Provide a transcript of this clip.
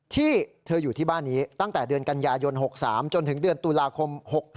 ที่เธออยู่ที่บ้านนี้ตั้งแต่เดือนกันยายน๖๓จนถึงเดือนตุลาคม๖๕